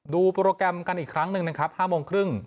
ดูโปรแกรมกันอีกครั้งหนึ่งนะครับ๕๓๐บาท